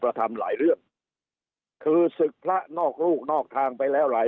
ทำหลายเรื่องคือศึกพระนอกลูกนอกทางไปแล้วหลาย